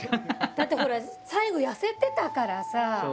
だってほら、最後、痩せてたからさ。